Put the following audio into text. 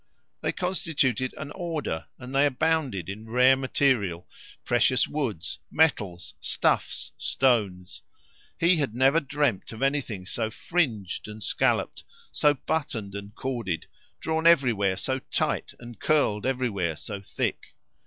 They constituted an order and abounded in rare material precious woods, metals, stuffs, stones. He had never dreamed of anything so fringed and scalloped, so buttoned and corded, drawn everywhere so tight and curled everywhere so thick.